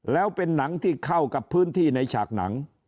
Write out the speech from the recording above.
แล้วเป็นหนังที่เข้ากับพื้นที่ในฉากหนัง